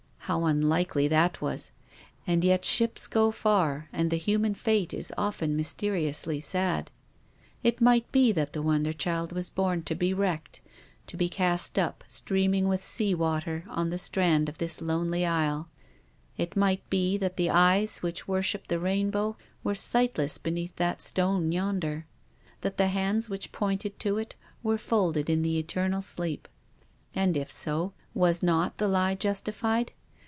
How unlikely that was ! And yet ships go far, and the human fate is often mysteriously sad. It might be that the wonder child was born to be wrecked, to be cast up, streaming with sea water on the strand of this lonely isle. It might be that the eyes which worshipped the rainbow were sightless be neath that stone yonder; that the hands which pointed to it were folded in the eternal sleep. THE RAINBOW. 49 And, if so, was not the lie justified?